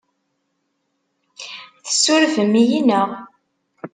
Tessurfem-iyi, naɣ?